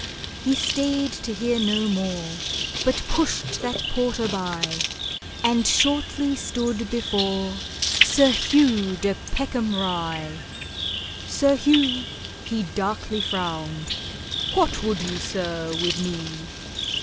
He stayed to hear no more, But pushed that porter by, And shortly stood before SIR HUGH DE PECKHAM RYE. SIR HUGH he darkly frowned, "What would you, sir, with me?"